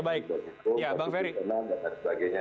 untuk penan dan sebagainya